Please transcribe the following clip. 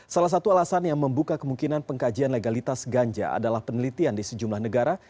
salah satu alasan yang membuka kemungkinan pengkajian legalitas ganja adalah penelitian di sejumlah negara